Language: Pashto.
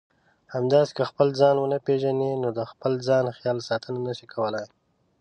همداسې که خپل ځان ونه پېژنئ نو د خپل ځان خیال ساتنه نشئ کولای.